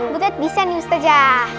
butet bisa news aja